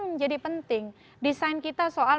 menjadi penting desain kita soal